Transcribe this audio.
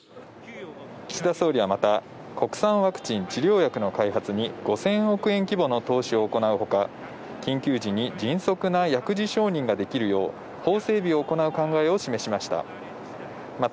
岸田総理はまた、国産ワクチン治療薬の開発に５０００億円規模の投資を行うほか、緊急時に迅速な薬事承認ができるよう、法整備を行う考えを示しました。